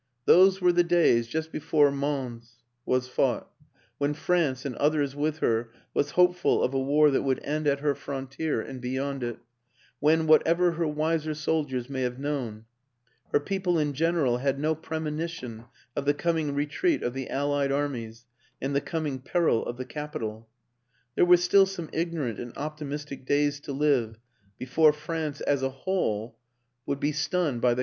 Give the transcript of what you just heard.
Those were the days just before Mons was fought, when France (and others with her) was hopeful of a war that would end at her frontier and beyond it; when, whatever her wiser soldiers may have known, her people in general had no premonition of the coming retreat of the Allied Armies and the coming peril of the capital. There were still some ignorant and optimistic days to live before France aS a whole would be 202 WILLIAM AN ENGLISHMAN stunned by the